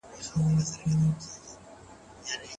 زیرمې او پس انداز تل ګټور نه وي.